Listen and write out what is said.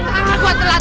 tahan gue telat